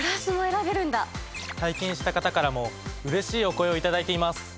体験した方からもうれしいお声を頂いています。